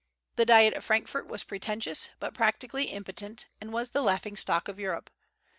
The Diet of Frankfort was pretentious, but practically impotent, and was the laughingstock of Europe.